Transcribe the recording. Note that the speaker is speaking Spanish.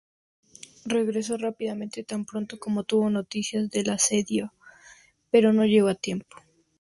Regresó rápidamente tan pronto como tuvo noticia del asedio, pero no llegó a tiempo.